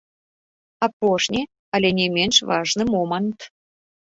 Апошні, але не менш важны момант.